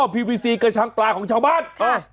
พีวพีซี่เกชังตรากของชาวบ้านค่ะ